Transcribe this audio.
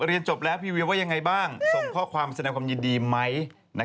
เรียนจบแล้วพี่วิวว่ายังไงบ้างส่งข้อความแสดงความยินดีไหม